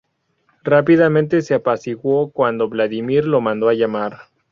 Rápidamente se apaciguó cuando Vladímir lo mando llamar.